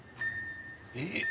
えっ！